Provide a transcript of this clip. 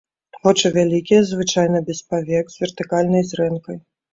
Вочы вялікія, звычайна без павек, з вертыкальнай зрэнкай.